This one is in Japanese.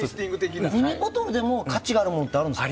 ミニボトルでも価値があるものはありますか？